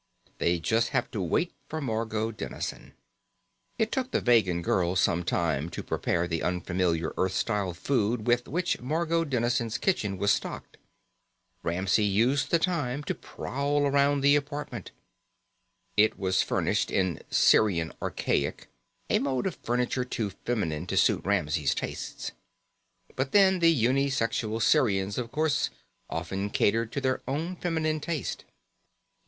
They'd just have to wait for Margot Dennison. It took the Vegan girl some time to prepare the unfamiliar Earth style food with which Margot Dennison's kitchen was stocked. Ramsey used the time to prowl around the apartment. It was furnished in Sirian archaic, a mode of furniture too feminine to suit Ramsey's tastes. But then, the uni sexual Sirians, of course, often catered to their own feminine taste.